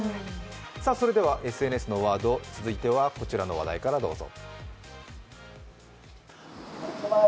それではＳＮＳのワード、続いてはこちらの話題からどうぞ。